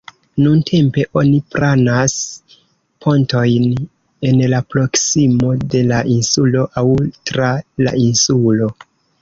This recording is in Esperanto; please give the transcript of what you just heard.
Nuntempe oni planas pontojn en la proksimo de la insulo aŭ tra la insulo.